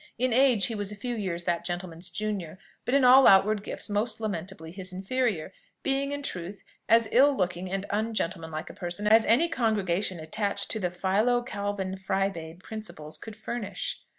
In age he was a few years that gentleman's junior, but in all outward gifts most lamentably his inferior; being, in truth, as ill looking and ungentlemanlike a person as any congregation attached to the "Philo Calvin Frybabe" principles could furnish.